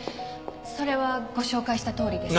それはご紹介したとおりです。